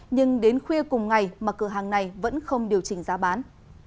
nhưng đến khuya cùng ngày mà cửa hàng này vẫn không điều chỉnh giá bán